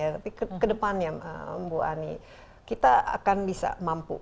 tapi ke depannya bu ani kita akan bisa mampu